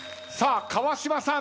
川島さん